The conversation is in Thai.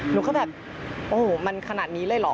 หนูก็แบบโอ้โหมันขนาดนี้เลยเหรอ